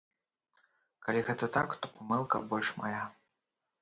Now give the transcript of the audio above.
Калі гэта так, то памылка больш мая.